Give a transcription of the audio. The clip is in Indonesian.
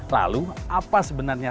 lalu apa sebenarnya